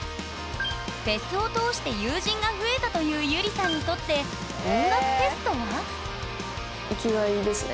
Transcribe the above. フェスを通して友人が増えたというゆりさんにとって音楽フェスとは？